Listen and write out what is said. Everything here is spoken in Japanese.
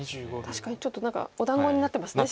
確かにちょっと何かお団子になってますね白。